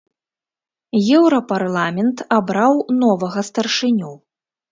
Еўрапарламент абраў новага старшыню.